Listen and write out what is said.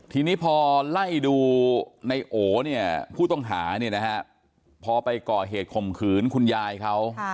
ทีนี้พอไล่ดูในโอเนี่ยผู้ต้องหาพอไปก่อเหตุข่มขืนคุณยายเขา